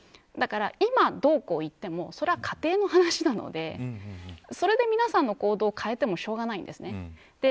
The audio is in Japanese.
だから、今どうこう言ってもそれは仮定の話なのでそれで皆さんの行動を変えてもしょうがないんです。